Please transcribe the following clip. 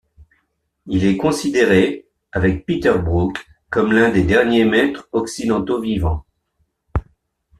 Il est considéré, avec Peter Brook, comme l'un des derniers maîtres occidentaux vivants.